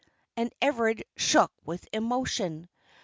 and Everard shook with emotion.